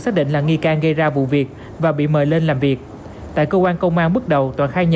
xác định là nghi can gây ra vụ việc và bị mời lên làm việc tại cơ quan công an bước đầu toàn khai nhận